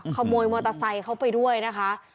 ขโมยมอเตอร์ไซค์เขาไปด้วยนะคะ